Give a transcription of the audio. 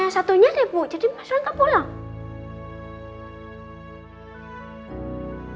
yang satunya lovely mas travelling pulang hai hai